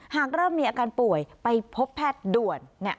หากเริ่มมีอาการป่วยไปพบแพทย์ด่วน